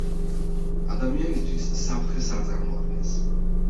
ადამიანისთვის საფრთხეს არ წარმოადგენს.